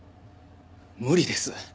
無理です。